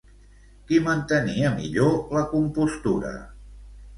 Qui mantenia millor la compostura?